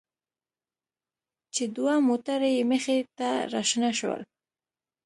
چې دوه موټره يې مخې ته راشنه شول.